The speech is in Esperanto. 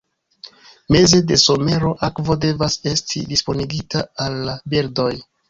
Meze de somero, akvo devas esti disponigita al la birdoj.